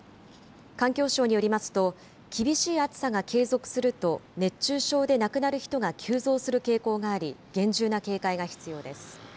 環境省によりますと、厳しい暑さが継続すると、熱中症で亡くなる人が急増する傾向があり、厳重な警戒が必要です。